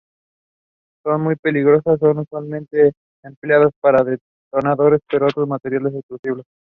Son muy peligrosas, y son usualmente empleadas como detonadores para otros materiales explosivos.